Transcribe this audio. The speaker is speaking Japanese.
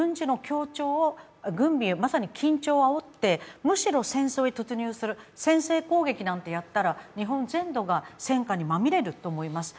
これは軍備でまさに緊張をあおって、むしろ戦争に突入する、先制攻撃なんてやったら日本全土が戦火にまみれると思います。